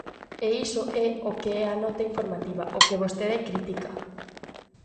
E iso é o que é a nota informativa, o que vostede critica.